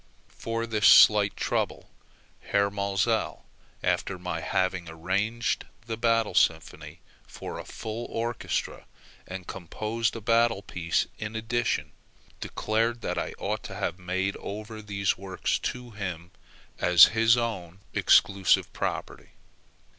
For this slight trouble Herr Maelzel, after my having arranged the "Battle Symphony" for a full orchestra, and composed a battle piece in addition, declared that I ought to have made over these works to him as his own exclusive property.